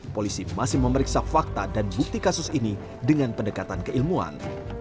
polisi masih memeriksa fakta dan bukti kasus ini dengan pendekatan keilmuan